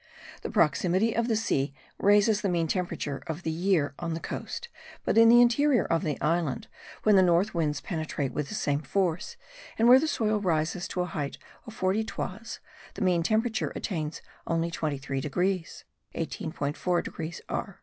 The proximity of the sea raises the mean temperature of the year on the coast; but in the interior of the island, when the north winds penetrate with the same force, and where the soil rises to the height of forty toises, the mean temperature attains only 23 degrees (18.4 degrees R.)